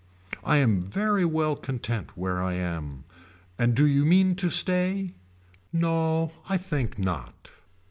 I am very well content where I am. And do you mean to stay. No I think not.